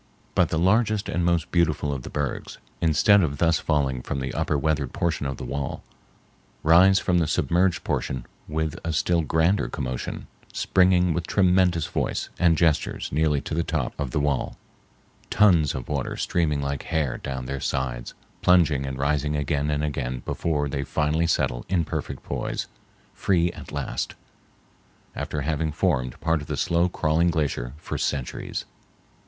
But the largest and most beautiful of the bergs, instead of thus falling from the upper weathered portion of the wall, rise from the submerged portion with a still grander commotion, springing with tremendous voice and gestures nearly to the top of the wall, tons of water streaming like hair down their sides, plunging and rising again and again before they finally settle in perfect poise, free at last, after having formed part of the slow crawling glacier for centuries.